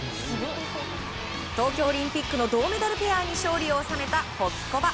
東京オリンピックの銅メダルペアに勝利を収めたホキコバ。